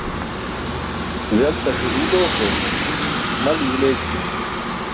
Guyltaṣe uul oo ke, mal yuul eećiyen.